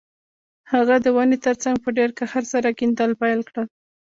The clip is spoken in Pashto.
هغه د ونې ترڅنګ په ډیر قهر سره کیندل پیل کړل